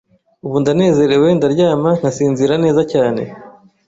ubu ndanezerewe, ndaryama nkasinzira neza cyane